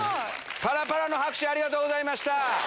ぱらぱらの拍手ありがとうございました。